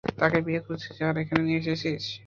তাকে বিয়ে করেছিস, আর এখানে নিয়েও এসেছিস?